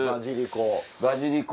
ばじりこ。